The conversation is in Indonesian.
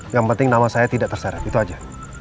yang penting nama saya tidak terseret itu aja